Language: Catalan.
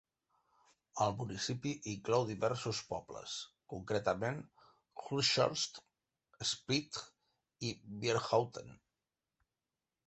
El municipi inclou diversos pobles, concretament Hulshorst, Elspeet i Vierhouten.